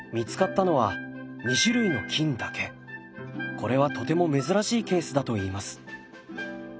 これはとても珍しいケースだといいます。